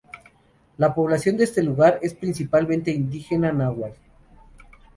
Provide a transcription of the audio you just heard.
La población de este lugar es principalmente indígena náhuatl.